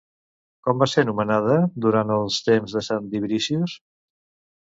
Com va ser nomenada durant els temps de sant Dubricius?